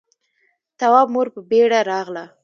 تواب مور په بيړه راغله.